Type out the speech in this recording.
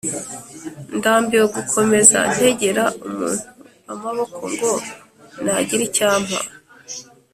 Ndambiwe gukomeza ntegera umuntu amaboko ngo nagire icyo ampa